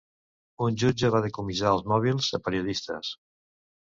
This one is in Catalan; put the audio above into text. Un jutge va decomissar els mòbils a periodistes